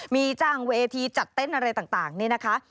มีจ้างเวทีจัดเต้นอะไรต่างนี่นะคะ